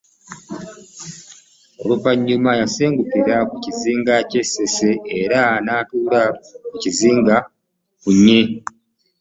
Oluvannyuma yasengukira ku bizinga by’e Ssese era n’atuula ku kizinga Ffunve.